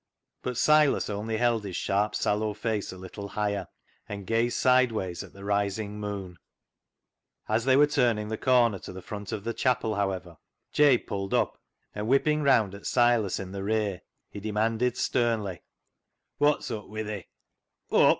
But Silas only held his sharp, sallow face a little higher, and gazed sideways at the rising moon. As they were turning the corner to the front of the chapel, however, Jabe pulled up, and whipping round at Silas in the rear, he de manded sternly —" Wot's up wi' thee